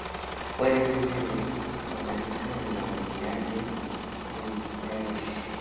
Fue docente de botánica en la Universidad de Poitiers.